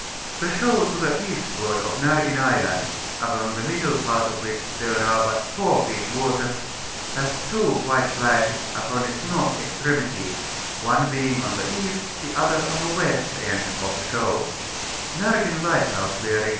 The shoal to the eastward of Nargen Island, upon the middle part of which there are but 4 feet water, has two white flags upon its north extremities, one being on the east, the other on the west, end of the shoal; Naigen Lighthouse bearing N.